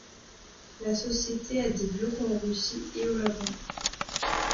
La société a des bureaux en Russie et au Japon .